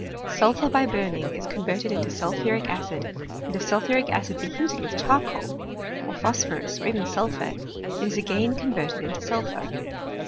Sulphur by burning is converted into sulphuric acid ; and if sulphuric acid be heated with charcoal, or phos phorus, or even sulphur, it is again converted into sulphur.